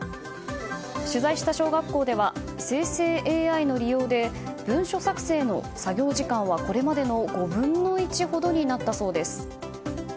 取材した小学校では生成ＡＩの利用で文章作成の作業時間はこれまでの５分の１ほどになったそうです。